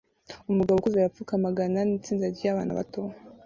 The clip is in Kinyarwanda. Umugabo ukuze arapfukama aganira nitsinda ryabana bato